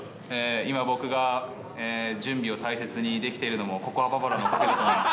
今、僕が準備を大切にできているのも、ココアババロアのおかげだと思います。